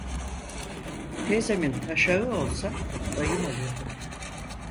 Teyzemin taşağı olsa dayım olurdu.